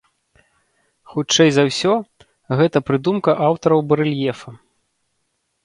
Хутчэй за ўсё, гэта прыдумка аўтараў барэльефа.